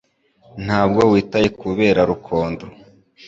Ntabwo witaye kubibera Rukondo